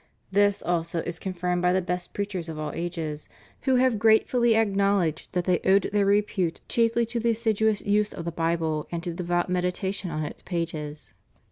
* This, also, is con firmed by the best preachers of all ages, who have grate fully acknowledged that they owed their repute chiefly to the assiduous use of the Bible, and to devout meditation on its pages.